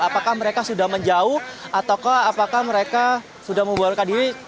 apakah mereka sudah menjauh ataukah mereka sudah membubarkan diri